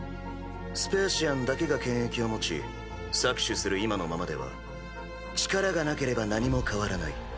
スペーシアンだけが権益を持ち搾取する今のままでは力がなければ何も変わらない。